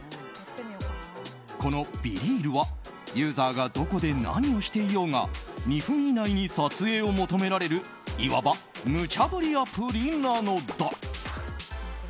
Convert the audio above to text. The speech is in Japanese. この「ＢｅＲｅａｌ」はユーザーがどこで何をしていようが２分以内に撮影を求められるいわばむちゃぶりアプリなのだ。